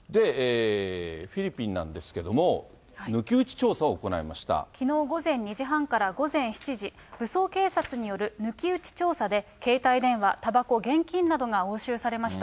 フィリピンなんですけども、きのう午前２時半から午前７時、武装警察による抜き打ち調査で、携帯電話、たばこ、現金などが押収されました。